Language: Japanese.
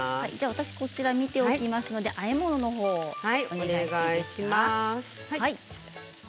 私、こちら見ておきますのであえ物の方お願いします。